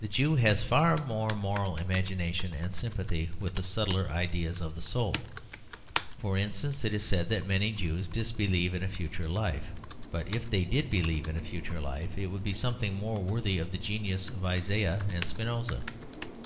The Jew has far more moral imagination and sympathy with the subtler ideals of the soul. For instance, it is said that many Jews disbelieve in a future life; but if they did believe in a future life, it would be something more worthy of the genius of Isaiah and Spinoza.